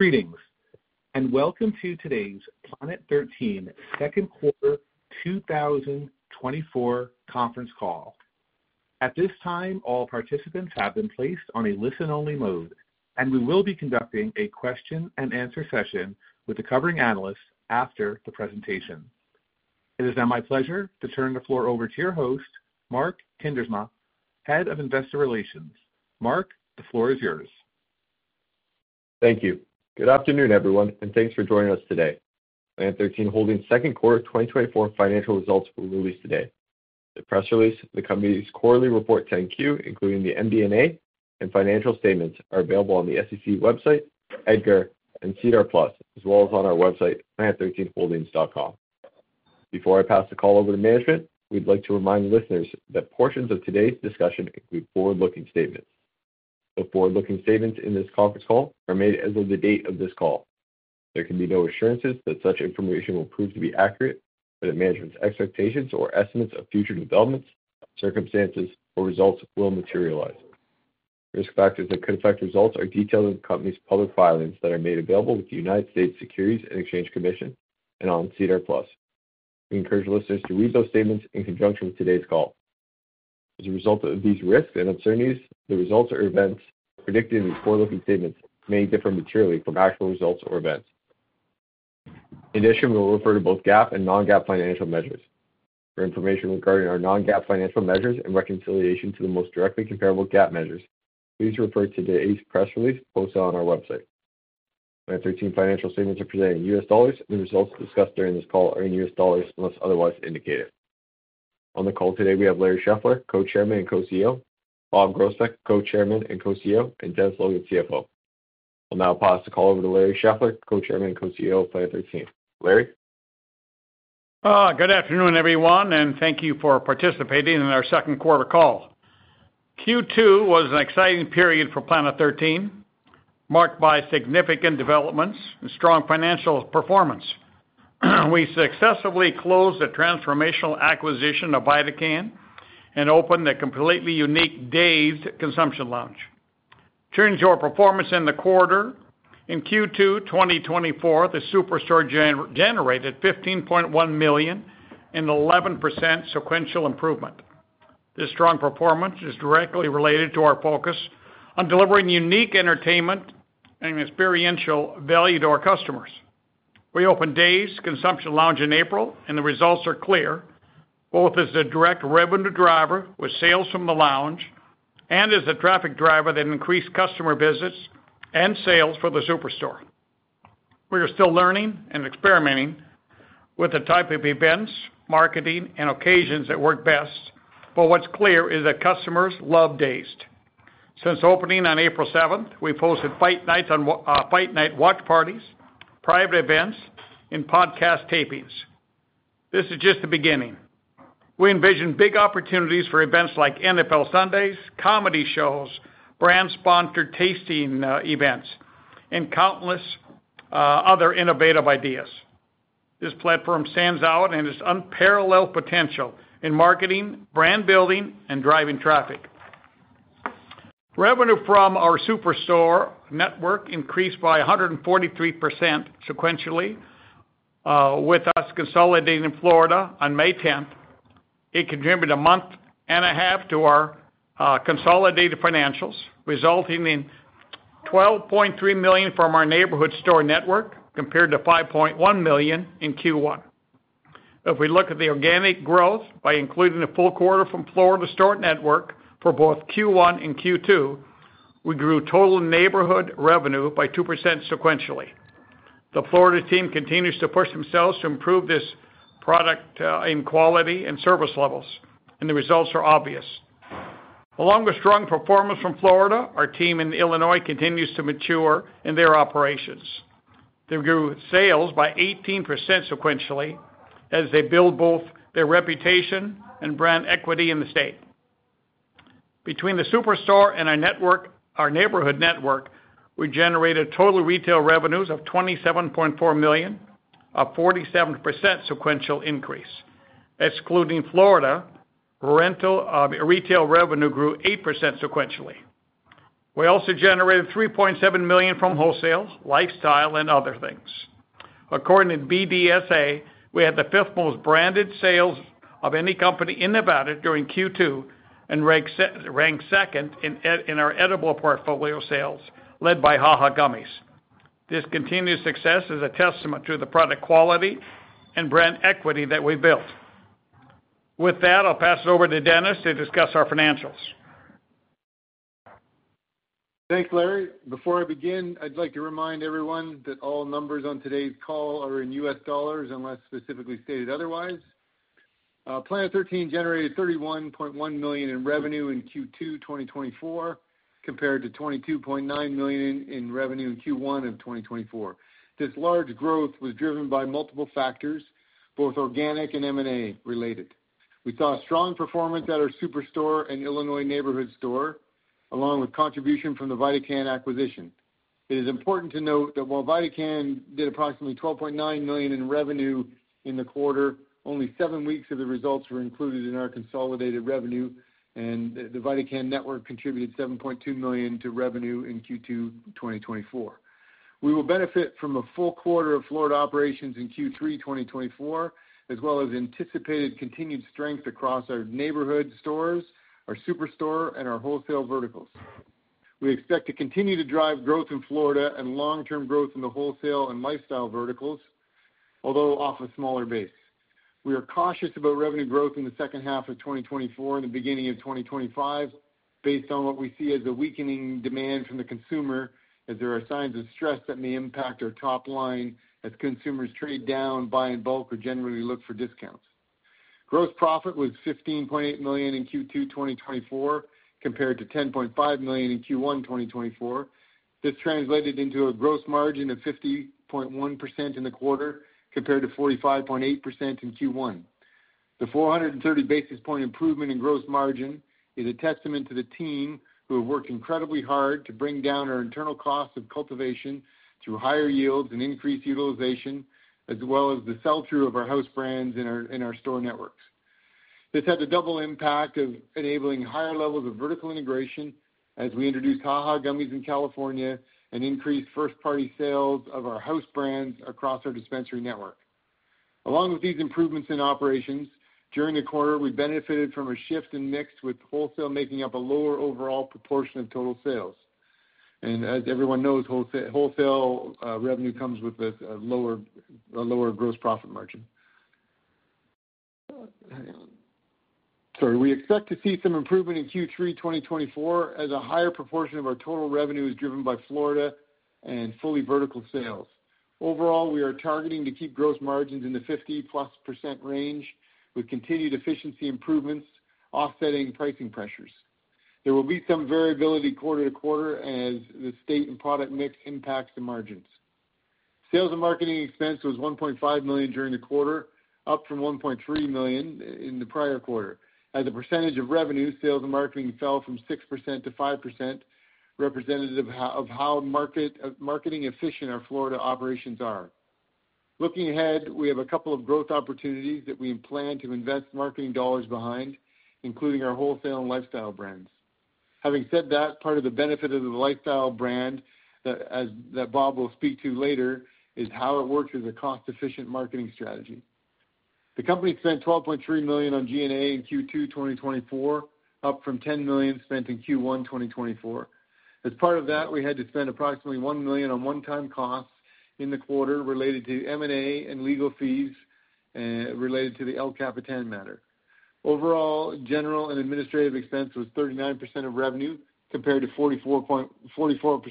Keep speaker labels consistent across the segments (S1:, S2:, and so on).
S1: Greetings, and welcome to today's Planet 13 second quarter 2024 conference call. At this time, all participants have been placed on a listen-only mode, and we will be conducting a question-and-answer session with the covering analysts after the presentation. It is now my pleasure to turn the floor over to your host, Mark Kuindersma, Head of Investor Relations. Mark, the floor is yours.
S2: Thank you. Good afternoon, everyone, and thanks for joining us today. Planet 13 Holdings' second quarter 2024 financial results will be released today. The press release, the company's quarterly report 10-Q, including the MD&A and financial statements, are available on the SEC website, EDGAR, and SEDAR+, as well as on our website, planet13holdings.com. Before I pass the call over to management, we'd like to remind listeners that portions of today's discussion include forward-looking statements. The forward-looking statements in this conference call are made as of the date of this call. There can be no assurances that such information will prove to be accurate, that management's expectations or estimates of future developments, circumstances, or results will materialize. Risk factors that could affect results are detailed in the company's public filings that are made available with the United States Securities and Exchange Commission and on SEDAR+. We encourage listeners to read those statements in conjunction with today's call. As a result of these risks and uncertainties, the results or events predicted in these forward-looking statements may differ materially from actual results or events. In addition, we will refer to both GAAP and non-GAAP financial measures. For information regarding our non-GAAP financial measures and reconciliation to the most directly comparable GAAP measures, please refer to today's press release posted on our website. Planet 13 financial statements are presented in US dollars, and the results discussed during this call are in US dollars, unless otherwise indicated. On the call today, we have Larry Scheffler, Co-Chairman and Co-CEO; Bob Groesbeck, Co-Chairman and Co-CEO; and Dennis Logan, CFO. I'll now pass the call over to Larry Scheffler, Co-Chairman and Co-CEO of Planet 13. Larry?
S3: Good afternoon, everyone, and thank you for participating in our second quarter call. Q2 was an exciting period for Planet 13, marked by significant developments and strong financial performance. We successfully closed the transformational acquisition of VidaCann and opened a completely unique DAZED! Consumption Lounge. Turning to our performance in the quarter, in Q2 2024, the superstore generated $15.1 million, an 11% sequential improvement. This strong performance is directly related to our focus on delivering unique entertainment and experiential value to our customers. We opened DAZED! Consumption Lounge in April, and the results are clear, both as a direct revenue driver with sales from the lounge and as a traffic driver that increased customer visits and sales for the superstore. We are still learning and experimenting with the type of events, marketing, and occasions that work best, but what's clear is that customers love DAZED!. Since opening on April seventh, we've hosted fight nights on, fight night watch parties, private events, and podcast tapings. This is just the beginning. We envision big opportunities for events like NFL Sundays, comedy shows, brand-sponsored tasting events, and countless other innovative ideas. This platform stands out in its unparalleled potential in marketing, brand building, and driving traffic. Revenue from our superstore network increased by 143% sequentially, with us consolidating Florida on May tenth. It contributed a month and a half to our consolidated financials, resulting in $12.3 million from our neighborhood store network, compared to $5.1 million in Q1. If we look at the organic growth by including the full quarter from Florida store network for both Q1 and Q2, we grew total neighborhood revenue by 2% sequentially. The Florida team continues to push themselves to improve this product in quality and service levels, and the results are obvious. Along with strong performance from Florida, our team in Illinois continues to mature in their operations. They grew sales by 18% sequentially as they build both their reputation and brand equity in the state. Between the superstore and our network—our neighborhood network, we generated total retail revenues of $27.4 million, a 47% sequential increase. Excluding Florida, rental, retail revenue grew 8% sequentially. We also generated $3.7 million from wholesale, lifestyle, and other things. According to BDSA, we had the 5th most branded sales of any company in Nevada during Q2 and ranked 2nd in our edible portfolio sales, led by HaHa Gummies. This continued success is a testament to the product quality and brand equity that we built. With that, I'll pass it over to Dennis to discuss our financials.
S4: Thanks, Larry. Before I begin, I'd like to remind everyone that all numbers on today's call are in US dollars, unless specifically stated otherwise. Planet 13 generated $31.1 million in revenue in Q2 2024, compared to $22.9 million in revenue in Q1 of 2024. This large growth was driven by multiple factors, both organic and M&A related. We saw strong performance at our superstore and Illinois neighborhood store, along with contribution from the VidaCann acquisition. It is important to note that while VidaCann did approximately $12.9 million in revenue in the quarter, only seven weeks of the results were included in our consolidated revenue, and the VidaCann network contributed $7.2 million to revenue in Q2 2024. We will benefit from a full quarter of Florida operations in Q3 2024, as well as anticipated continued strength across our neighborhood stores, our superstore, and our wholesale verticals. We expect to continue to drive growth in Florida and long-term growth in the wholesale and lifestyle verticals, although off a smaller base. We are cautious about revenue growth in the second half of 2024 and the beginning of 2025, based on what we see as a weakening demand from the consumer, as there are signs of stress that may impact our top line as consumers trade down, buy in bulk, or generally look for discounts. Gross profit was $15.8 million in Q2 2024, compared to $10.5 million in Q1 2024. This translated into a gross margin of 50.1% in the quarter, compared to 45.8% in Q1. The 430 basis point improvement in gross margin is a testament to the team, who have worked incredibly hard to bring down our internal costs of cultivation through higher yields and increased utilization, as well as the sell-through of our house brands in our, in our store networks. This had the double impact of enabling higher levels of vertical integration as we introduced HaHa Gummies in California and increased first-party sales of our house brands across our dispensary network. Along with these improvements in operations, during the quarter, we benefited from a shift in mix, with wholesale making up a lower overall proportion of total sales. As everyone knows, wholesale revenue comes with a lower gross profit margin. We expect to see some improvement in Q3 2024, as a higher proportion of our total revenue is driven by Florida and fully vertical sales. Overall, we are targeting to keep gross margins in the 50%+ range, with continued efficiency improvements offsetting pricing pressures. There will be some variability quarter to quarter as the state and product mix impacts the margins. Sales and marketing expense was $1.5 million during the quarter, up from $1.3 million in the prior quarter. As a percentage of revenue, sales and marketing fell from 6% to 5%, representative of how marketing efficient our Florida operations are. Looking ahead, we have a couple of growth opportunities that we plan to invest marketing dollars behind, including our wholesale and lifestyle brands. Having said that, part of the benefit of the lifestyle brand that Bob will speak to later is how it works as a cost-efficient marketing strategy. The company spent $12.3 million on G&A in Q2 2024, up from $10 million spent in Q1 2024. As part of that, we had to spend approximately $1 million on one-time costs in the quarter related to M&A and legal fees, related to the El Capitan matter. Overall, general and administrative expense was 39% of revenue, compared to 44%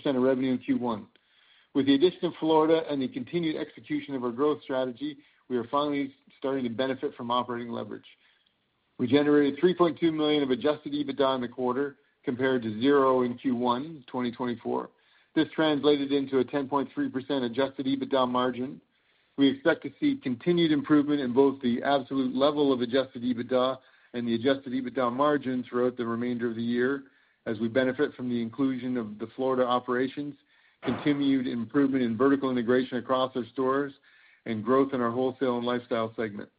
S4: of revenue in Q1. With the addition of Florida and the continued execution of our growth strategy, we are finally starting to benefit from operating leverage. We generated $3.2 million of adjusted EBITDA in the quarter, compared to 0 in Q1 2024. This translated into a 10.3% adjusted EBITDA margin. We expect to see continued improvement in both the absolute level of adjusted EBITDA and the adjusted EBITDA margin throughout the remainder of the year, as we benefit from the inclusion of the Florida operations, continued improvement in vertical integration across our stores, and growth in our wholesale and lifestyle segment.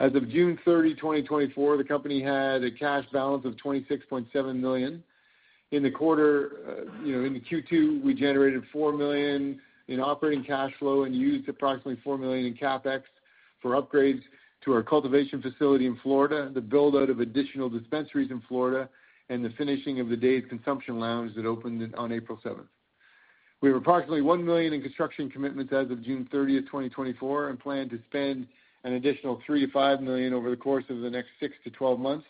S4: As of June 30, 2024, the company had a cash balance of $26.7 million. In the quarter, you know, in the Q2, we generated $4 million in operating cash flow and used approximately $4 million in CapEx for upgrades to our cultivation facility in Florida, the build-out of additional dispensaries in Florida, and the finishing of the DAZED! Consumption Lounge that opened on April 7. We have approximately $1 million in construction commitments as of June 30, 2024, and plan to spend an additional $3 million-$5 million over the course of the next 6-12 months,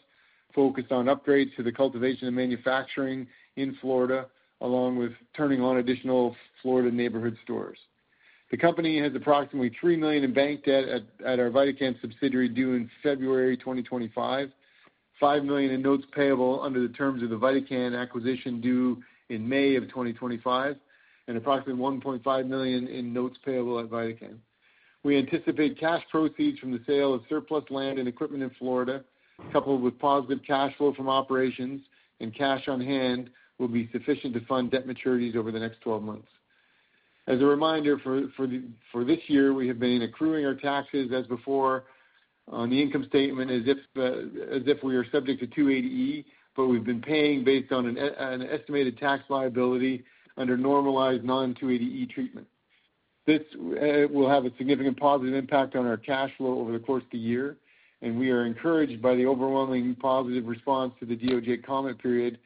S4: focused on upgrades to the cultivation and manufacturing in Florida, along with turning on additional Florida neighborhood stores. The company has approximately $3 million in bank debt at our VidaCann subsidiary due in February 2025, $5 million in notes payable under the terms of the VidaCann acquisition due in May 2025, and approximately $1.5 million in notes payable at VidaCann. We anticipate cash proceeds from the sale of surplus land and equipment in Florida, coupled with positive cash flow from operations and cash on hand, will be sufficient to fund debt maturities over the next 12 months. As a reminder, for this year, we have been accruing our taxes as before on the income statement, as if we are subject to 280E, but we've been paying based on an estimated tax liability under normalized non-280E treatment. This will have a significant positive impact on our cash flow over the course of the year, and we are encouraged by the overwhelmingly positive response to the DOJ comment period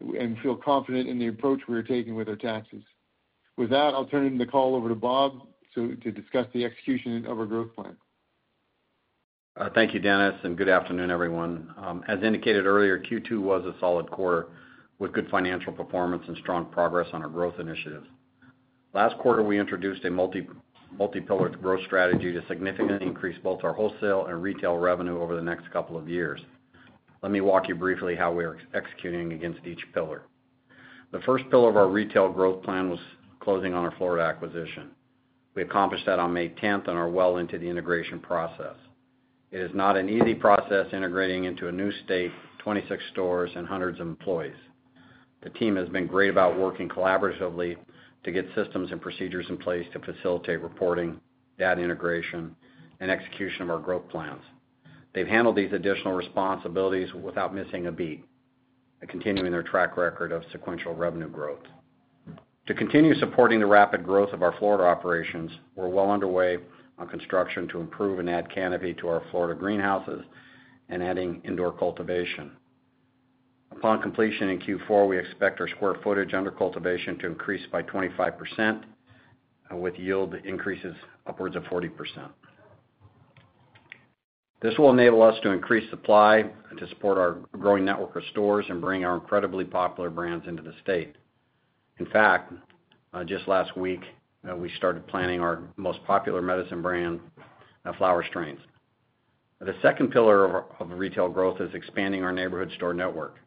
S4: and feel confident in the approach we are taking with our taxes. With that, I'll turn the call over to Bob to discuss the execution of our growth plan.
S5: Thank you, Dennis, and good afternoon, everyone. As indicated earlier, Q2 was a solid quarter with good financial performance and strong progress on our growth initiatives. Last quarter, we introduced a multi-pillar growth strategy to significantly increase both our wholesale and retail revenue over the next couple of years. Let me walk you briefly how we are executing against each pillar. The first pillar of our retail growth plan was closing on our Florida acquisition. We accomplished that on May tenth and are well into the integration process. It is not an easy process integrating into a new state, 26 stores, and hundreds of employees. The team has been great about working collaboratively to get systems and procedures in place to facilitate reporting, data integration, and execution of our growth plans. They've handled these additional responsibilities without missing a beat. Continuing their track record of sequential revenue growth. To continue supporting the rapid growth of our Florida operations, we're well underway on construction to improve and add canopy to our Florida greenhouses and adding indoor cultivation. Upon completion in Q4, we expect our square footage under cultivation to increase by 25%, and with yield increases upwards of 40%. This will enable us to increase supply and to support our growing network of stores and bring our incredibly popular brands into the state. In fact, just last week, we started planning our most popular medicine brand, flower strains. The second pillar of retail growth is expanding our neighborhood store network.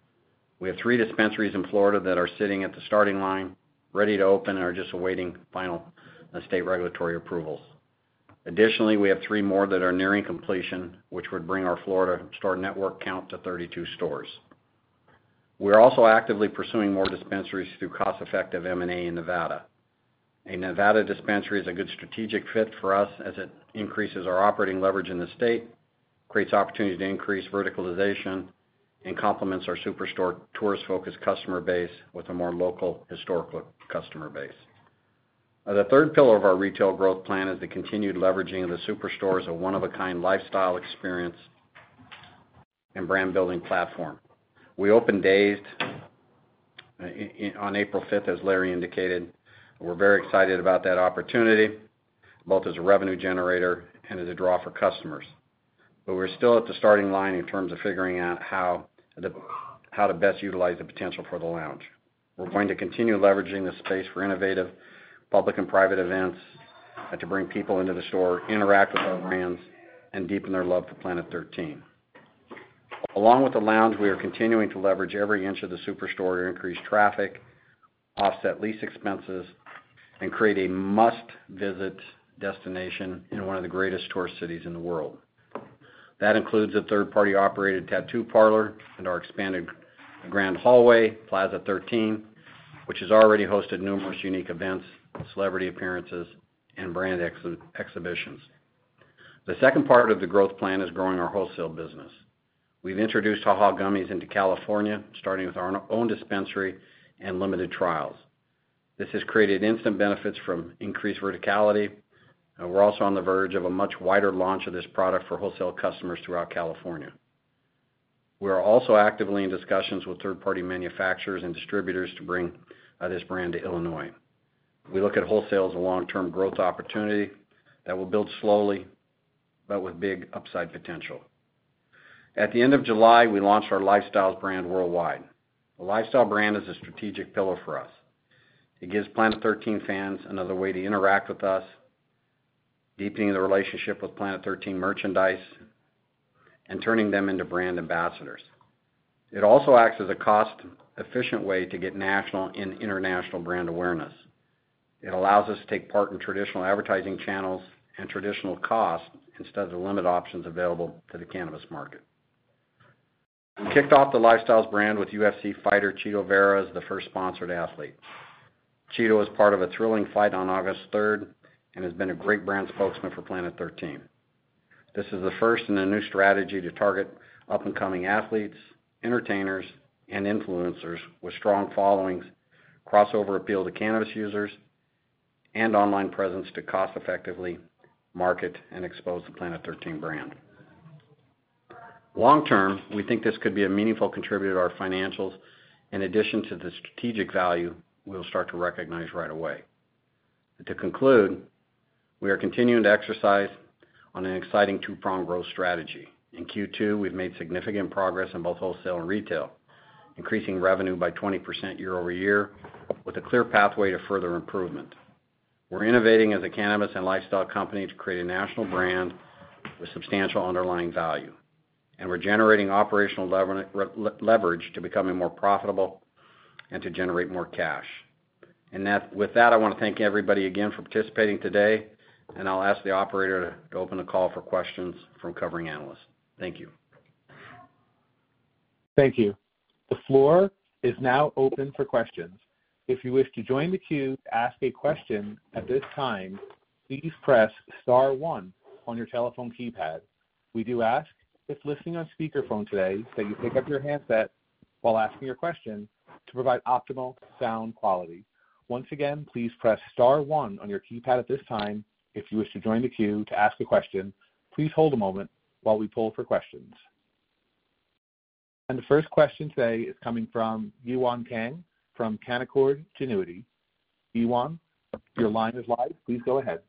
S5: We have three dispensaries in Florida that are sitting at the starting line, ready to open, and are just awaiting final state regulatory approvals. Additionally, we have 3 more that are nearing completion, which would bring our Florida store network count to 32 stores. We're also actively pursuing more dispensaries through cost-effective M&A in Nevada. A Nevada dispensary is a good strategic fit for us as it increases our operating leverage in the state, creates opportunity to increase verticalization, and complements our SuperStore tourist-focused customer base with a more local, historical customer base. The third pillar of our retail growth plan is the continued leveraging of the SuperStore as a one-of-a-kind lifestyle experience and brand-building platform. We opened DAZED!, on April fifth, as Larry indicated. We're very excited about that opportunity, both as a revenue generator and as a draw for customers. But we're still at the starting line in terms of figuring out how to best utilize the potential for the lounge. We're going to continue leveraging this space for innovative public and private events, and to bring people into the store, interact with our brands, and deepen their love for Planet 13. Along with the lounge, we are continuing to leverage every inch of the SuperStore to increase traffic, offset lease expenses, and create a must-visit destination in one of the greatest tourist cities in the world. That includes a third-party-operated tattoo parlor and our expanded grand hallway, Plaza 13, which has already hosted numerous unique events, celebrity appearances, and brand exhibitions. The second part of the growth plan is growing our wholesale business. We've introduced HaHa Gummies into California, starting with our own dispensary and limited trials. This has created instant benefits from increased verticality, and we're also on the verge of a much wider launch of this product for wholesale customers throughout California. We are also actively in discussions with third-party manufacturers and distributors to bring this brand to Illinois. We look at wholesale as a long-term growth opportunity that will build slowly, but with big upside potential. At the end of July, we launched our Lifestyles brand worldwide. The Lifestyles brand is a strategic pillar for us. It gives Planet 13 fans another way to interact with us, deepening the relationship with Planet 13 merchandise and turning them into brand ambassadors. It also acts as a cost-efficient way to get national and international brand awareness. It allows us to take part in traditional advertising channels and traditional costs instead of the limited options available to the cannabis market. We kicked off the Lifestyles brand with UFC fighter Chito Vera as the first sponsored athlete. Chito was part of a thrilling fight on August third and has been a great brand spokesman for Planet 13. This is the first in a new strategy to target up-and-coming athletes, entertainers, and influencers with strong followings, crossover appeal to cannabis users, and online presence to cost effectively market and expose the Planet 13 brand. Long term, we think this could be a meaningful contributor to our financials, in addition to the strategic value we'll start to recognize right away. To conclude, we are continuing to exercise on an exciting two-pronged growth strategy. In Q2, we've made significant progress in both wholesale and retail, increasing revenue by 20% year-over-year, with a clear pathway to further improvement. We're innovating as a cannabis and lifestyle company to create a national brand with substantial underlying value, and we're generating operational leverage to becoming more profitable and to generate more cash. With that, I want to thank everybody again for participating today, and I'll ask the operator to open the call for questions from covering analysts. Thank you.
S1: Thank you. The floor is now open for questions. If you wish to join the queue to ask a question at this time, please press star one on your telephone keypad. We do ask, if listening on speakerphone today, that you pick up your handset while asking your question to provide optimal sound quality. Once again, please press star one on your keypad at this time, if you wish to join the queue to ask a question. Please hold a moment while we poll for questions. The first question today is coming from Yewon Kang from Canaccord Genuity. Yewon, your line is live. Please go ahead.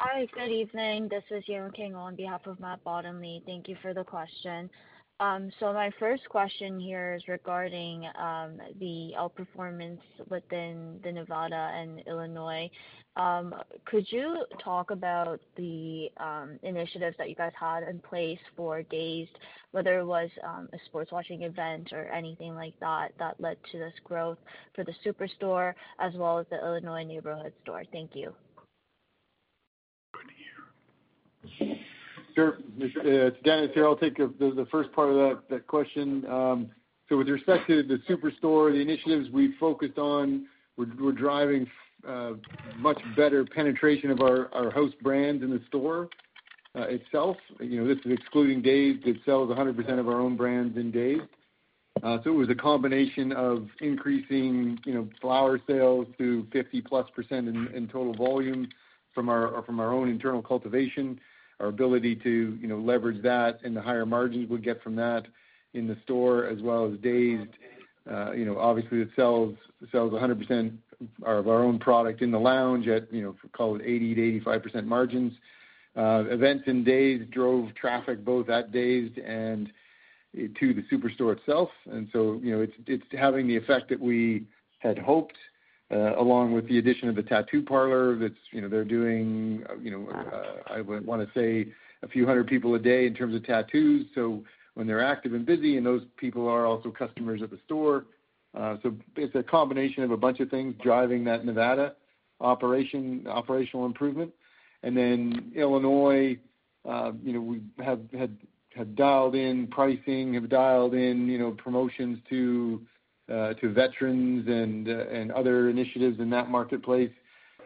S6: Hi, good evening. This is Yewon Kang on behalf of Matt Bottomley. Thank you for the question. So my first question here is regarding the outperformance within the Nevada and Illinois. Could you talk about the initiatives that you guys had in place for DAZED!, whether it was a sports watching event or anything like that, that led to this growth for the superstore as well as the Illinois neighborhood store? Thank you.
S4: Sure. It's Dennis here. I'll take the first part of that question. So with respect to the superstore, the initiatives we focused on, we're driving much better penetration of our host brand in the store.... itself, you know, this is excluding DAZED!. It sells 100% of our own brands in DAZED!. So it was a combination of increasing, you know, flower sales to 50+% in total volume from our own internal cultivation, our ability to, you know, leverage that and the higher margins we get from that in the store as well as DAZED!. You know, obviously, it sells 100% of our own product in the lounge at, you know, call it 80%-85% margins. Events in DAZED! drove traffic both at DAZED! and to the superstore itself. And so, you know, it's having the effect that we had hoped, along with the addition of the tattoo parlor, that's, you know, they're doing, you know, I would want to say a few hundred people a day in terms of tattoos. So when they're active and busy, and those people are also customers at the store. So it's a combination of a bunch of things driving that Nevada operational improvement. And then Illinois, you know, we have dialed in pricing, have dialed in, you know, promotions to, to veterans and, and other initiatives in that marketplace.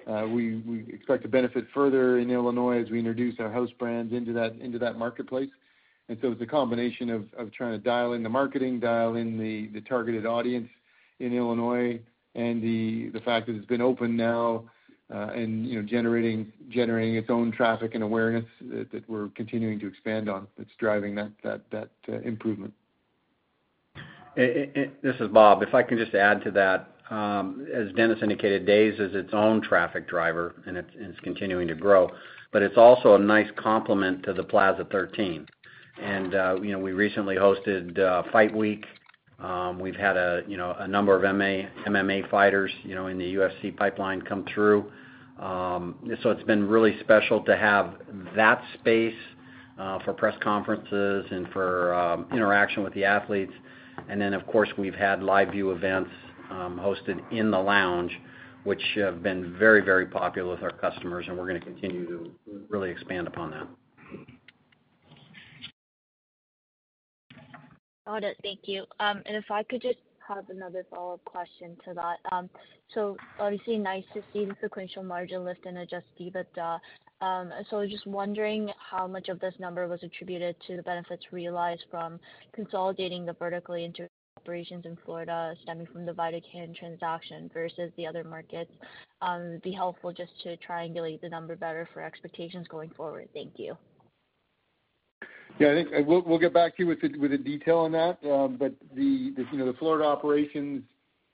S4: We expect to benefit further in Illinois as we introduce our house brands into that marketplace. And so it's a combination of trying to dial in the marketing, dial in the targeted audience in Illinois, and the fact that it's been open now and, you know, generating its own traffic and awareness that we're continuing to expand on. It's driving that improvement.
S5: This is Bob. If I can just add to that, as Dennis indicated, DAZED! is its own traffic driver, and it's continuing to grow, but it's also a nice complement to the Plaza 13. You know, we recently hosted Fight Week. We've had a number of MMA fighters, you know, in the UFC pipeline come through. So it's been really special to have that space for press conferences and for interaction with the athletes. Then, of course, we've had live view events hosted in the lounge, which have been very, very popular with our customers, and we're gonna continue to really expand upon that.
S6: Got it. Thank you. And if I could just have another follow-up question to that. So obviously nice to see the sequential margin lift and Adjusted EBITDA. So just wondering how much of this number was attributed to the benefits realized from consolidating vertically integrated operations in Florida, stemming from the VidaCann transaction versus the other markets? It'd be helpful just to triangulate the number better for expectations going forward. Thank you.
S4: Yeah, I think we'll get back to you with the detail on that. But the, you know, the Florida operations,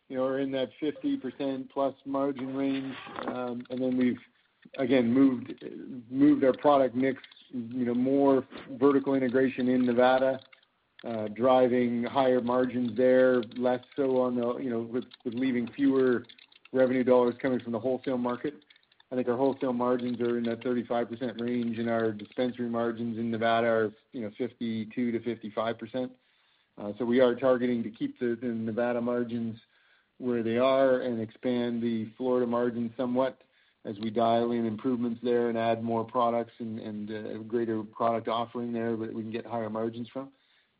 S4: you know, are in that 50%+ margin range. And then we've again moved our product mix, you know, more vertical integration in Nevada, driving higher margins there, less so on the, you know, with leaving fewer revenue dollars coming from the wholesale market. I think our wholesale margins are in that 35% range, and our dispensary margins in Nevada are, you know, 52%-55%. So we are targeting to keep the Nevada margins where they are and expand the Florida margins somewhat as we dial in improvements there and add more products and a greater product offering there that we can get higher margins from.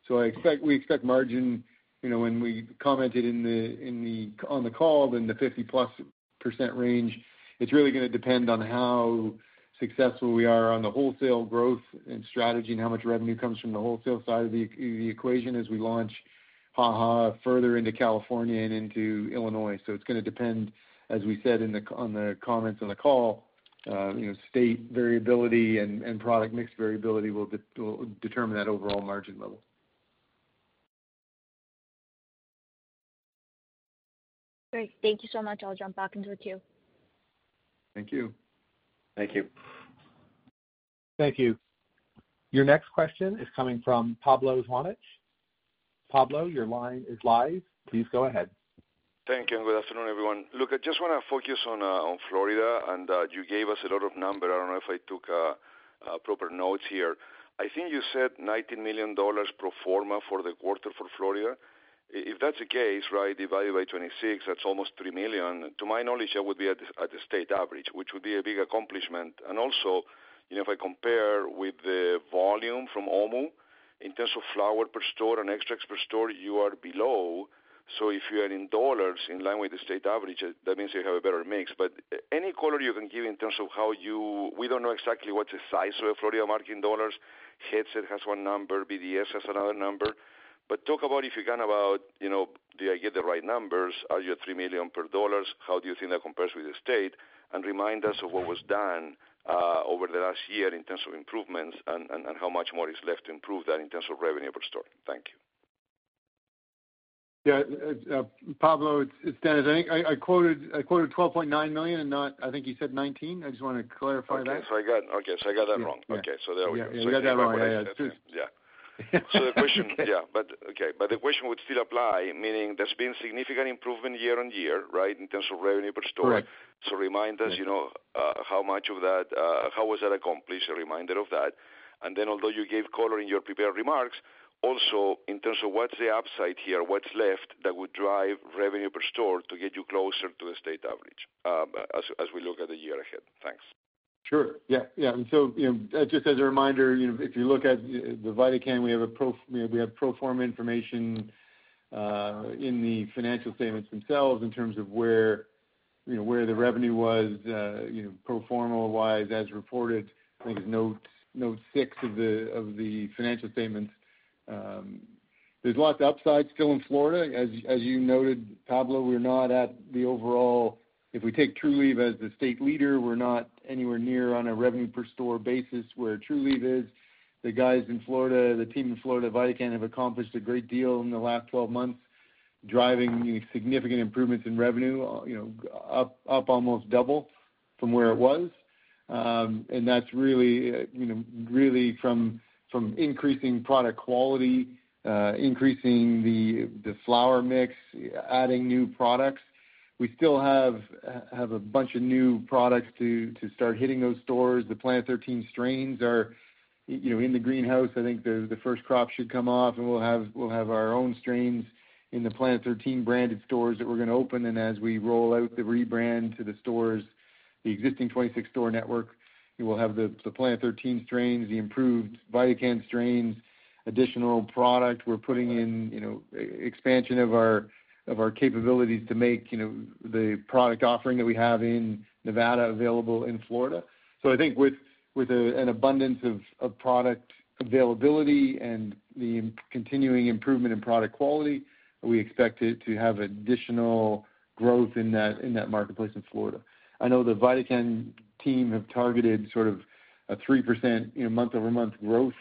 S4: So we expect margin, you know, when we commented on the call, in the 50%+ range, it's really gonna depend on how successful we are on the wholesale growth and strategy and how much revenue comes from the wholesale side of the equation as we launch HaHa further into California and into Illinois. So it's gonna depend, as we said in the comments on the call, you know, state variability and product mix variability will determine that overall margin level.
S6: Great. Thank you so much. I'll jump back into the queue.
S4: Thank you.
S5: Thank you.
S1: Thank you. Your next question is coming from Pablo Zuanich. Pablo, your line is live. Please go ahead.
S7: Thank you, and good afternoon, everyone. Look, I just wanna focus on, on Florida, and, you gave us a lot of numbers. I don't know if I took, proper notes here. I think you said $90 million pro forma for the quarter for Florida. If that's the case, right, divided by 26, that's almost $3 million. To my knowledge, that would be at, the state average, which would be a big accomplishment. And also, you know, if I compare with the volume from OMMU, in terms of flower per store and extracts per store, you are below. So if you are in dollars in line with the state average, that means you have a better mix. But any color you can give in terms of how you... We don't know exactly what's the size of the Florida market in dollars. Headset has one number, BDSA has another number. But talk about, if you can, you know, did I get the right numbers? Are you at $3 million per dollars? How do you think that compares with the state? And remind us of what was done over the last year in terms of improvements and how much more is left to improve that in terms of revenue per store. Thank you.
S4: Yeah, Pablo, it's Dennis. I think I quoted $12.9 million and not... I think you said $19 million. I just want to clarify that.
S7: Okay, so I got that wrong.
S4: Yeah.
S7: Okay, so there we go.
S4: Yeah, you got that wrong.
S7: Yeah. So the question, yeah, but okay, but the question would still apply, meaning there's been significant improvement year-over-year, right? In terms of revenue per store.
S4: Correct.
S7: So remind us, you know, how much of that, how was that accomplished, a reminder of that. And then, although you gave color in your prepared remarks, also in terms of what's the upside here, what's left that would drive revenue per store to get you closer to the state average, as we look at the year ahead? Thanks.
S4: Sure. Yeah, yeah. And so, you know, just as a reminder, you know, if you look at the VidaCann, we have pro forma information in the financial statements themselves in terms of where you know, where the revenue was pro forma-wise, as reported. I think it's Note 6 of the financial statements. There's lots of upside still in Florida. As you noted, Pablo, we're not at the overall. If we take Trulieve as the state leader, we're not anywhere near on a revenue per store basis where Trulieve is. The guys in Florida, the team in Florida, VidaCann, have accomplished a great deal in the last 12 months, driving significant improvements in revenue, you know, up almost double from where it was. That's really, you know, really from increasing product quality, increasing the flower mix, adding new products. We still have a bunch of new products to start hitting those stores. The Planet 13 strains are, you know, in the greenhouse. I think the first crop should come off, and we'll have our own strains in the Planet 13 branded stores that we're gonna open. As we roll out the rebrand to the stores, the existing 26 store network, we will have the Planet 13 strains, the improved VidaCann strains, additional product. We're putting in, you know, expansion of our capabilities to make, you know, the product offering that we have in Nevada available in Florida. So I think with an abundance of product availability and the continuing improvement in product quality, we expect it to have additional growth in that marketplace in Florida. I know the VidaCann team have targeted sort of a 3%, you know, month-over-month growth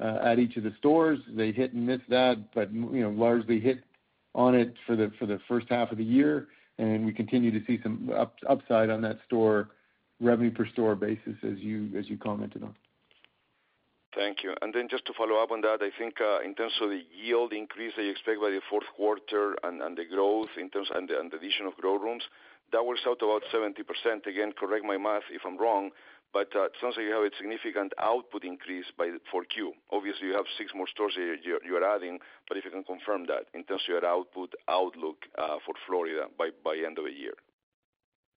S4: at each of the stores. They hit and missed that, but you know, largely hit on it for the first half of the year, and we continue to see some upside on that store revenue per store basis, as you commented on.
S7: Thank you. Then just to follow up on that, I think, in terms of the yield increase that you expect by the fourth quarter and the growth in terms and the addition of grow rooms, that works out about 70%. Again, correct my math if I'm wrong, but it sounds like you have a significant output increase by 4Q. Obviously, you have 6 more stores you're adding, but if you can confirm that in terms of your output outlook for Florida by end of the year.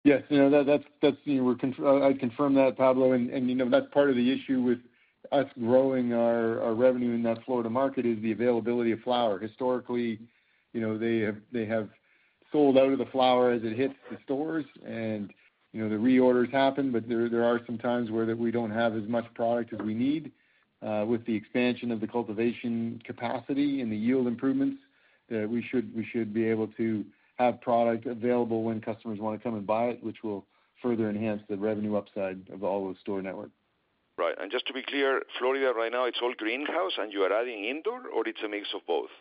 S4: Yes, you know, that's, you know, we confirm that, Pablo, and, you know, that's part of the issue with us growing our revenue in that Florida market is the availability of flower. Historically, you know, they have sold out of the flower as it hits the stores, and, you know, the reorders happen, but there are some times where we don't have as much product as we need. With the expansion of the cultivation capacity and the yield improvements, we should be able to have product available when customers want to come and buy it, which will further enhance the revenue upside of all the store network.
S7: Right. And just to be clear, Florida right now, it's all greenhouse, and you are adding indoor, or it's a mix of both?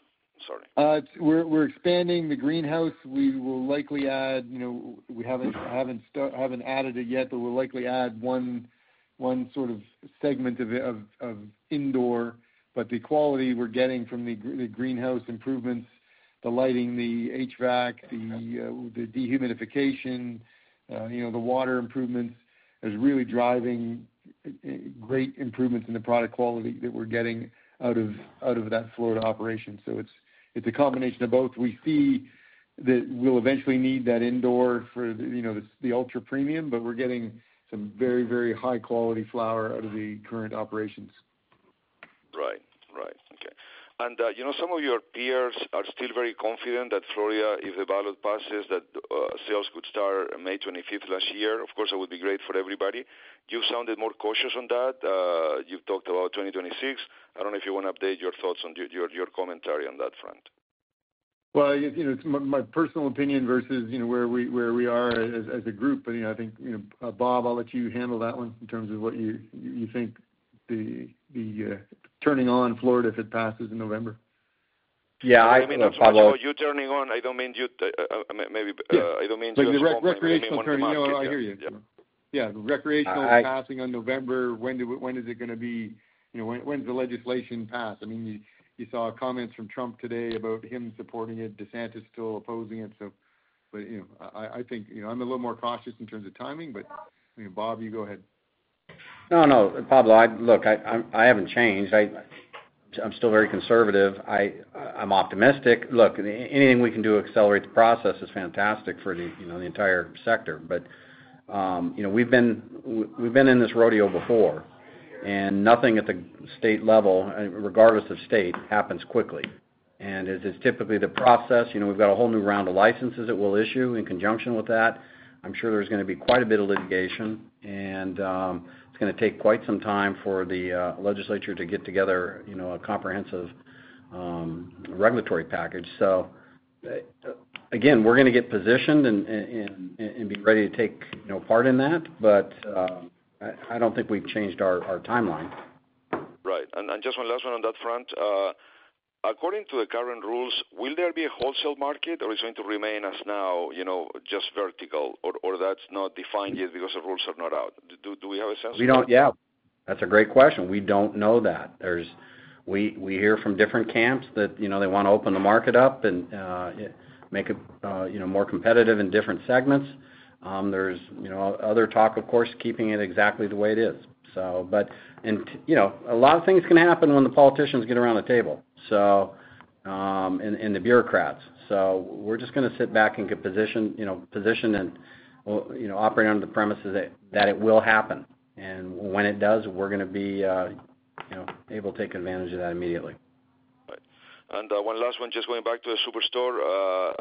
S7: Sorry.
S4: We're expanding the greenhouse. We will likely add, you know, we haven't added it yet, but we'll likely add one sort of segment of indoor. But the quality we're getting from the greenhouse improvements, the lighting, the HVAC, the dehumidification, you know, the water improvements, is really driving great improvements in the product quality that we're getting out of that Florida operation. So it's a combination of both. We see that we'll eventually need that indoor for, you know, the ultra-premium, but we're getting some very, very high-quality flower out of the current operations.
S7: Right. Right. Okay. And, you know, some of your peers are still very confident that Florida, if the ballot passes, that sales could start May 25th last year. Of course, it would be great for everybody. You've sounded more cautious on that. You've talked about 2026. I don't know if you want to update your thoughts on your, your, your commentary on that front.
S4: Well, you know, it's my personal opinion versus, you know, where we are as a group. But, you know, I think, you know, Bob, I'll let you handle that one in terms of what you think the turning on Florida, if it passes in November.
S5: Yeah, I, Pablo-
S7: By you turning on, I don't mean you, maybe, I don't mean you-
S4: Recreational turning on. I hear you. Yeah, recreational passing on November, when is it gonna be, you know, when does the legislation pass? I mean, you saw comments from Trump today about him supporting it, DeSantis still opposing it, so... But, you know, I think, you know, I'm a little more cautious in terms of timing, but, you know, Bob, you go ahead.
S5: No, no, Pablo, look, I haven't changed. I'm still very conservative. I'm optimistic. Look, anything we can do to accelerate the process is fantastic for the, you know, the entire sector. But, you know, we've been in this rodeo before, and nothing at the state level, regardless of state, happens quickly. And it is typically the process, you know, we've got a whole new round of licenses that we'll issue in conjunction with that. I'm sure there's gonna be quite a bit of litigation, and it's gonna take quite some time for the legislature to get together, you know, a comprehensive regulatory package. So, again, we're gonna get positioned and be ready to take, you know, part in that, but I don't think we've changed our timeline.
S7: Right. And just one last one on that front. According to the current rules, will there be a wholesale market, or is it going to remain as now, you know, just vertical, or that's not defined yet because the rules are not out? Do we have a sense?
S5: We don't, yeah. That's a great question. We don't know that. There's... We hear from different camps that, you know, they want to open the market up and make it, you know, more competitive in different segments. There's, you know, other talk, of course, keeping it exactly the way it is. So, but and, you know, a lot of things can happen when the politicians get around the table, so, and the bureaucrats. So we're just gonna sit back and get positioned, you know, positioned, and, you know, operate under the premises that it will happen. And when it does, we're gonna be, you know, able to take advantage of that immediately....
S7: One last one, just going back to the superstore.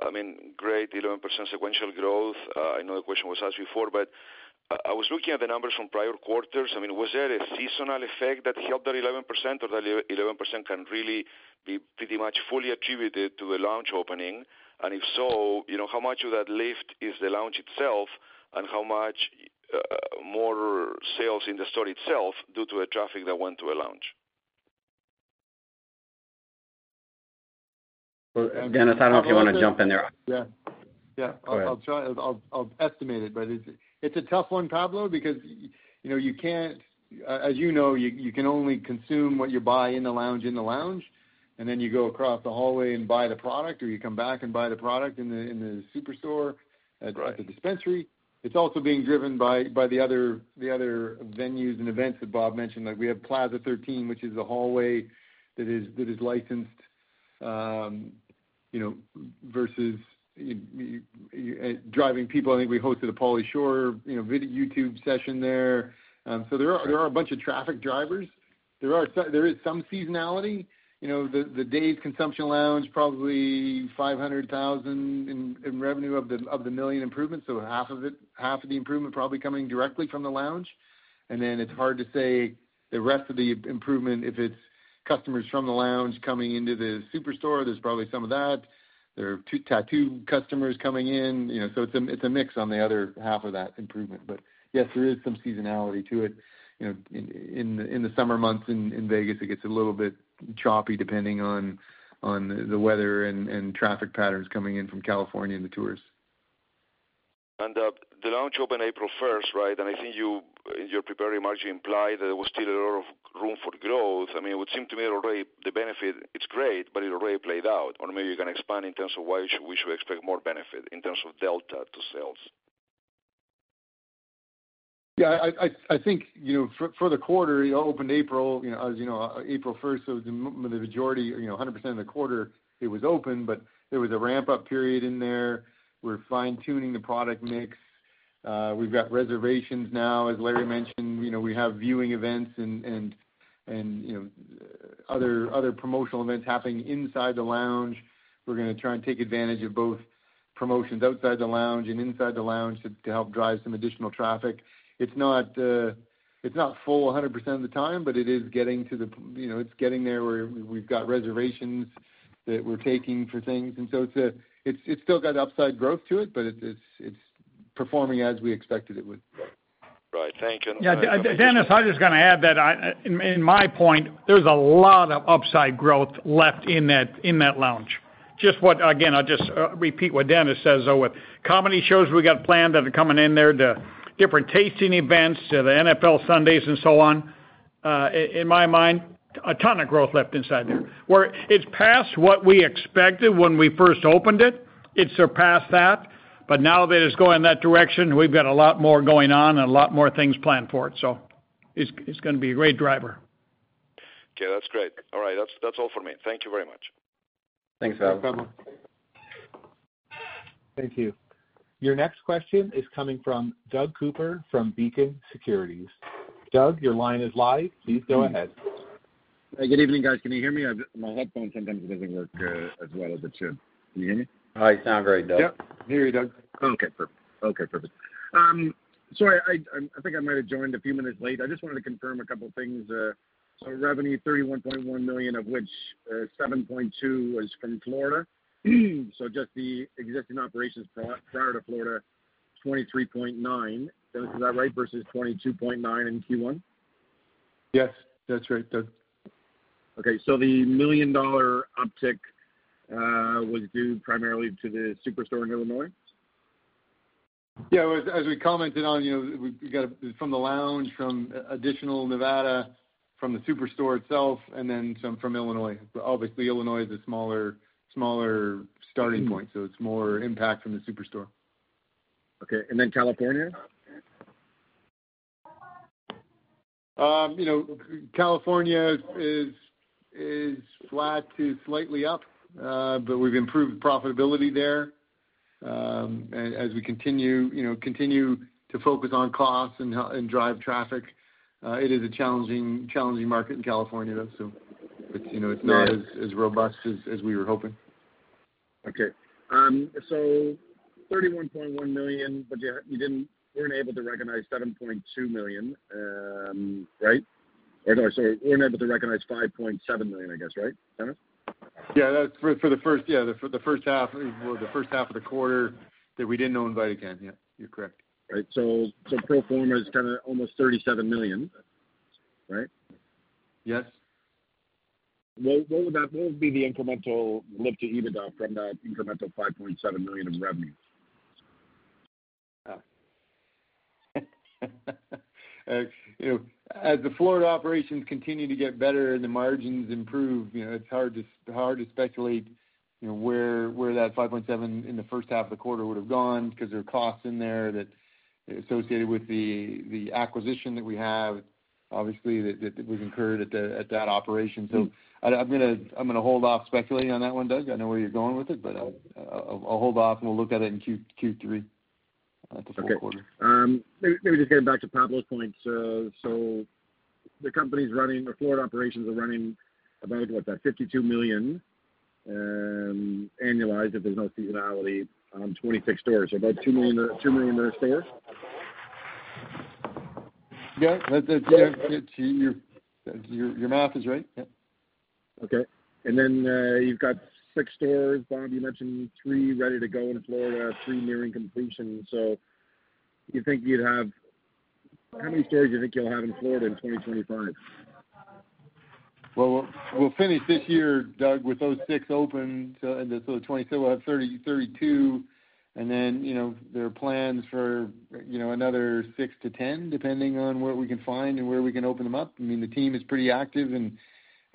S7: I mean, great, 11% sequential growth. I know the question was asked before, but I was looking at the numbers from prior quarters. I mean, was there a seasonal effect that helped that 11%, or the 11% can really be pretty much fully attributed to a lounge opening? And if so, you know, how much of that lift is the lounge itself, and how much more sales in the store itself due to a traffic that went to a lounge?
S3: Dennis, I don't know if you want to jump in there.
S4: Yeah. Yeah.
S3: Go ahead.
S4: I'll try. I'll estimate it, but it's a tough one, Pablo, because, you know, you can't, as you know, you can only consume what you buy in the lounge, in the lounge, and then you go across the hallway and buy the product, or you come back and buy the product in the superstore.
S7: Right...
S4: at the dispensary. It's also being driven by the other venues and events that Bob mentioned. Like, we have Plaza Thirteen, which is a hallway that is licensed, you know, versus driving people. I think we hosted a Pauly Shore, you know, video YouTube session there. So there are a bunch of traffic drivers. There is some seasonality. You know, the DAZED! consumption lounge, probably $500,000 in revenue of the $1 million improvements, so half of it, half of the improvement probably coming directly from the lounge. And then it's hard to say the rest of the improvement, if it's customers from the lounge coming into the superstore, there's probably some of that. There are two tattoo customers coming in, you know, so it's a mix on the other half of that improvement. But yes, there is some seasonality to it. You know, in the summer months in Vegas, it gets a little bit choppy, depending on the weather and traffic patterns coming in from California and the tourists.
S7: The lounge opened April first, right? I think you, in your prepared remarks, you implied that there was still a lot of room for growth. I mean, it would seem to me already the benefit is great, but it already played out. Or maybe you can expand in terms of why we should, we should expect more benefit in terms of delta to sales.
S4: Yeah, I think, you know, for the quarter, it opened April, you know, as you know, April first, so the majority, you know, 100% of the quarter, it was open, but there was a ramp-up period in there. We're fine-tuning the product mix. We've got reservations now. As Larry mentioned, you know, we have viewing events and you know, other promotional events happening inside the lounge. We're gonna try and take advantage of both promotions outside the lounge and inside the lounge to help drive some additional traffic. It's not, it's not full 100% of the time, but it is getting to the, you know, it's getting there, where we've got reservations that we're taking for things. And so it's still got upside growth to it, but it's performing as we expected it would.
S7: Right. Thank you.
S3: Yeah, Dennis, I'm just gonna add that in my point, there's a lot of upside growth left in that lounge. Again, I'll just repeat what Dennis says, though, with comedy shows we got planned that are coming in there, the different tasting events, the NFL Sundays, and so on. In my mind, a ton of growth left inside there, where it's past what we expected when we first opened it. It surpassed that, but now that it's going in that direction, we've got a lot more going on and a lot more things planned for it. So it's gonna be a great driver.
S7: Okay, that's great. All right, that's, that's all for me. Thank you very much.
S3: Thanks, Pablo.
S4: Thank you.
S1: Thank you. Your next question is coming from Doug Cooper, from Beacon Securities. Doug, your line is live. Please go ahead.
S8: Good evening, guys. Can you hear me? My headphones sometimes doesn't work as well as it should. Can you hear me?
S3: Hi, you sound great, Doug.
S4: Yep, hear you, Doug.
S8: Okay, perfect. Okay, perfect. So I think I might have joined a few minutes late. I just wanted to confirm a couple things. So revenue, $31.1 million, of which, seven point two was from Florida. So just the existing operations, Florida to Florida, $23.9 million. Dennis, is that right, versus $22.9 million in Q1?
S4: Yes, that's right, Doug.
S8: Okay, so the $1 million uptick was due primarily to the superstore in Illinois?
S4: Yeah, as we commented on, you know, we got it from the lounge, from additional Nevada, from the superstore itself, and then some from Illinois. Obviously, Illinois is a smaller starting point, so it's more impact from the superstore.
S8: Okay, and then California?
S4: You know, California is flat to slightly up, but we've improved profitability there, as we continue, you know, continue to focus on costs and drive traffic. It is a challenging market in California, though, so it's, you know, not as robust as we were hoping.
S8: Okay. So $31.1 million, but yeah, you didn't, you weren't able to recognize $7.2 million, right? Or no, sorry, you weren't able to recognize $5.7 million, I guess, right, Dennis?
S4: Yeah, that's for the first half of the quarter that we didn't own VidaCann. Yeah, you're correct.
S8: Right. So, so pro forma is kind of almost $37 million, right?
S4: Yes.
S8: What would be the incremental lift to EBITDA from that incremental $5.7 million in revenue?
S4: You know, as the Florida operations continue to get better and the margins improve, you know, it's hard to, hard to speculate, you know, where, where that $5.7 in the first half of the quarter would have gone because there are costs in there that are associated with the, the acquisition that we have, obviously, that, that we've incurred at the, at that operation. So I'm gonna, I'm gonna hold off speculating on that one, Doug. I know where you're going with it, but I'll, I'll, I'll hold off, and we'll look at it in Q3. ...
S8: Maybe, maybe just getting back to Pablo's point. So the company's running, the Florida operations are running about, what? About $52 million annualized, if there's no seasonality on 26 stores. About $2 million, $2 million there upstairs.
S4: Yeah, that's, yeah, it's your math is right. Yeah.
S8: Okay. And then, you've got six stores, Bob, you mentioned three ready to go in Florida, three nearing completion. So you think you'd have how many stores you think you'll have in Florida in 2025?
S4: Well, we'll finish this year, Doug, with those 6 open. So, and so 2022, we'll have 30, 32, and then, you know, there are plans for, you know, another 6-10, depending on what we can find and where we can open them up. I mean, the team is pretty active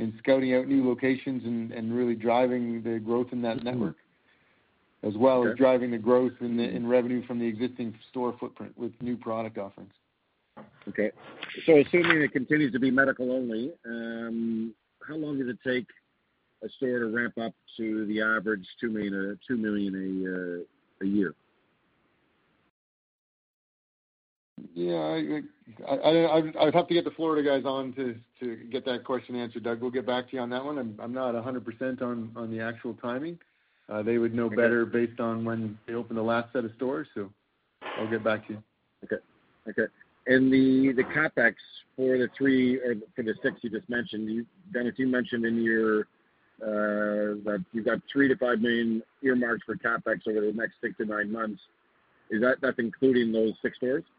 S4: in, in scouting out new locations and, and really driving the growth in that network, as well as driving the growth in the- in revenue from the existing store footprint with new product offerings.
S8: Okay. So assuming it continues to be medical only, how long does it take a store to ramp up to the average $2 million a year?
S4: Yeah, I'd have to get the Florida guys on to get that question answered, Doug. We'll get back to you on that one. I'm not a hundred percent on the actual timing. They would know better based on when they opened the last set of stores. So I'll get back to you.
S8: Okay. Okay. And the CapEx for the 3, for the 6 you just mentioned, you, Ben, if you mentioned in your that you've got $3 million-$5 million earmarked for CapEx over the next 6 to 9 months, is that, that's including those 6 stores?
S4: Yes,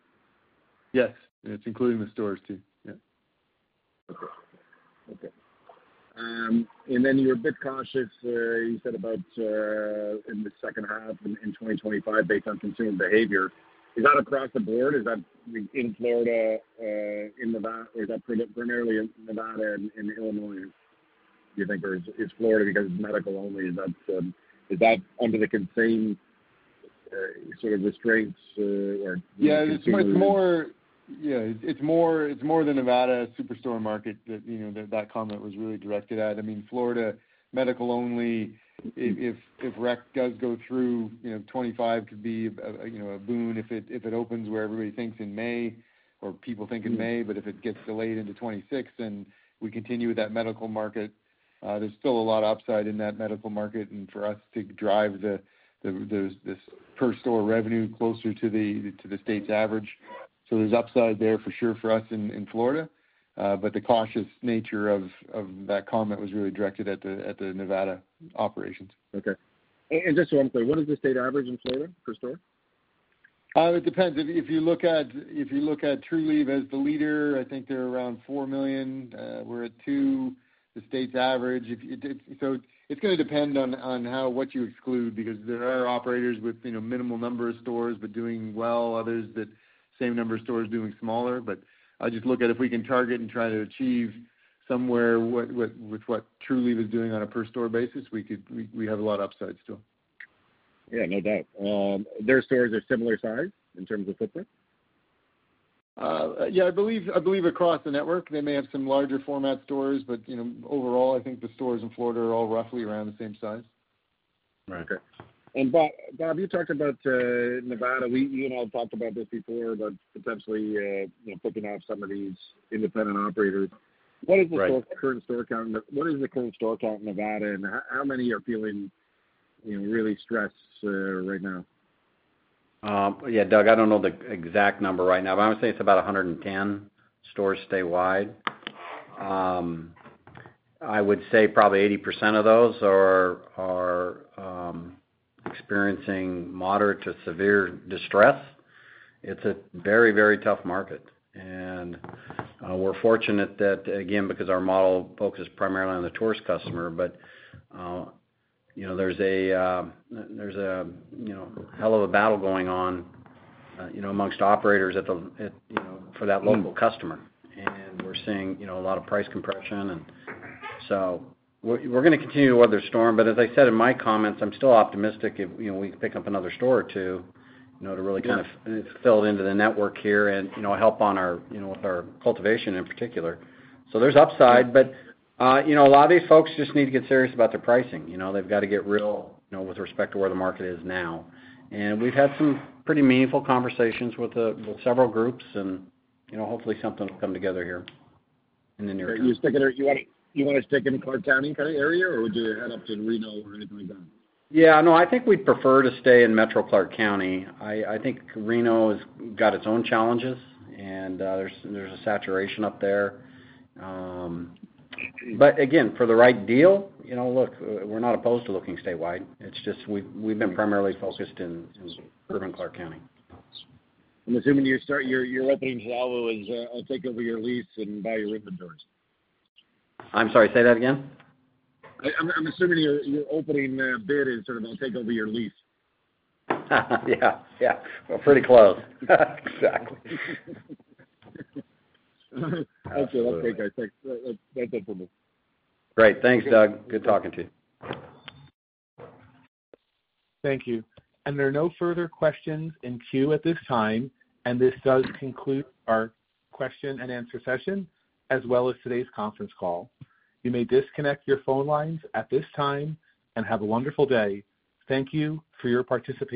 S4: it's including the stores, too. Yeah.
S8: Okay. Okay. And then you're a bit cautious, you said about, in the second half in 2025, based on consumer behavior. Is that across the board? Is that in Florida, in Nevada? Is that primarily in Nevada and in Illinois, do you think, or is Florida because it's medical only? That's, is that under the same sort of restraints, or-
S4: Yeah, it's more the Nevada superstore market that, you know, that comment was really directed at. I mean, Florida, medical only, if rec does go through, you know, 2025 could be a boon if it opens where everybody thinks in May or people think in May. But if it gets delayed into 2026, and we continue with that medical market, there's still a lot of upside in that medical market, and for us to drive this per store revenue closer to the state's average. So there's upside there for sure for us in Florida. But the cautious nature of that comment was really directed at the Nevada operations.
S8: Okay. And just one second. What is the state average in Florida per store?
S4: It depends. If you look at Trulieve as the leader, I think they're around $4 million, we're at $2 million, the state's average. So it's gonna depend on how what you exclude, because there are operators with, you know, minimal number of stores, but doing well, others that same number of stores doing smaller. But I just look at if we can target and try to achieve somewhere with what Trulieve is doing on a per store basis, we could we have a lot of upsides to them.
S8: Yeah, no doubt. Their stores are similar size in terms of footprint?
S4: Yeah, I believe, I believe across the network, they may have some larger format stores, but, you know, overall, I think the stores in Florida are all roughly around the same size.
S8: Right. Okay. And Bob, Bob, you talked about Nevada. We, you and I have talked about this before, about potentially, you know, flipping off some of these independent operators.
S5: Right.
S8: What is the current store count? What is the current store count in Nevada, and how many are feeling, you know, really stressed right now?
S5: Yeah, Doug, I don't know the exact number right now, but I would say it's about 110 stores statewide. I would say probably 80% of those are experiencing moderate to severe distress. It's a very, very tough market. We're fortunate that, again, because our model focuses primarily on the tourist customer, but you know, there's a you know, hell of a battle going on you know amongst operators at the at you know for that local customer. And we're seeing you know a lot of price compression. And so we're gonna continue to weather the storm, but as I said in my comments, I'm still optimistic if you know we can pick up another store or two you know to really-
S8: Yeah
S5: - kind of fill into the network here and, you know, help on our, you know, with our cultivation in particular. So there's upside, but, you know, a lot of these folks just need to get serious about their pricing. You know, they've got to get real, you know, with respect to where the market is now. And we've had some pretty meaningful conversations with, with several groups and, you know, hopefully something will come together here in the near term.
S8: You sticking to... You wanna, you wanna stick in Clark County area, or would you head up to Reno or anything like that?
S5: Yeah, no, I think we'd prefer to stay in Metro Clark County. I think Reno has got its own challenges, and there's a saturation up there. But again, for the right deal, you know, look, we're not opposed to looking statewide. It's just we've been primarily focused in urban Clark County.
S8: I'm assuming your opening salvo is, I'll take over your lease and buy your inventories.
S5: I'm sorry, say that again?
S8: I'm assuming your opening bid is sort of, I'll take over your lease.
S5: Yeah. Yeah. Well, pretty close. Exactly.
S8: Okay. Okay, guys, thanks. That's it for me.
S5: Great. Thanks, Doug. Good talking to you.
S1: Thank you. There are no further questions in queue at this time, and this does conclude our question and answer session, as well as today's conference call. You may disconnect your phone lines at this time, and have a wonderful day. Thank you for your participation.